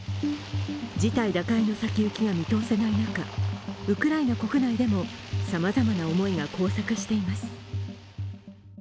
事態打開の先行きが見通せない中、ウクライナ国内でも様々な思いが交錯しています。